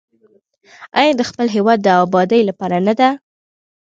آیا د خپل هیواد د ابادۍ لپاره نه ده؟